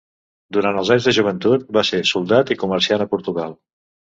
Durant els anys de joventut va ser soldat i comerciant a Portugal.